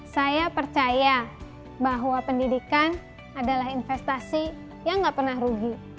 saya percaya bahwa pendidikan adalah investasi yang gak pernah rugi